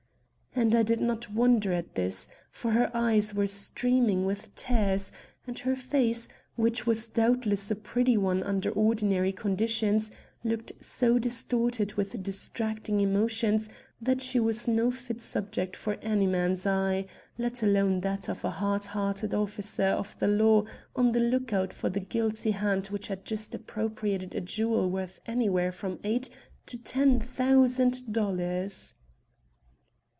And I did not wonder at this, for her eyes were streaming with tears, and her face, which was doubtless a pretty one under ordinary conditions, looked so distorted with distracting emotions that she was no fit subject for any man's eye, let alone that of a hard hearted officer of the law on the lookout for the guilty hand which had just appropriated a jewel worth anywhere from eight to ten thousand dollars.